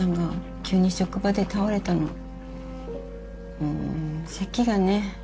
うーんせきがね